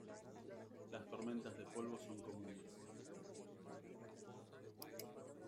Las tormentas de polvo son comunes.